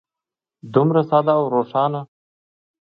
دومره ساده او روښانه.